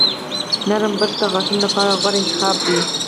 نرم برش د غاښونو لپاره غوره انتخاب دی.